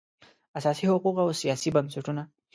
اساسي حقوق او سیاسي بنسټونه